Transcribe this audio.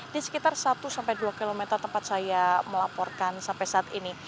di sekitar satu sampai dua km tempat saya melaporkan sampai saat ini